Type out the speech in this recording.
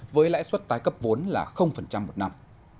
với lãi suất tái cấp vốn là một năm